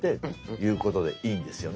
いうことでいいんですよね？